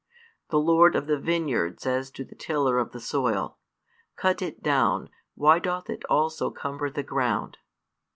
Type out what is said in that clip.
The lord of the vineyard says to the tiller of the soil: Cut it down; why doth it also cumber the ground?